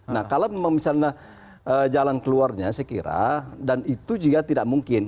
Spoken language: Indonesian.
nah kalau misalnya jalan keluarnya saya kira dan itu juga tidak mungkin